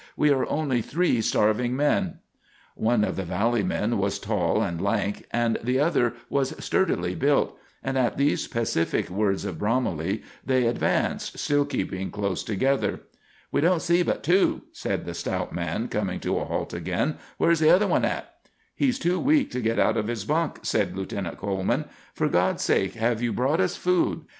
"We are only three starving men." One of the valley men was tall and lank, and the other was sturdily built; and at these pacific words of Bromley they advanced, still keeping close together. "We don't see but two," said the stout man, coming to a halt again. "Where's the other one at?" "He's too weak to get out of his bunk," said Lieutenant Coleman. "For God's sake, have you brought us food?"